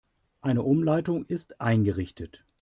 Eine Umleitung ist eingerichtet.